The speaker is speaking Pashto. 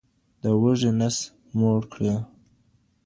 د وږي نس موړ کړئ.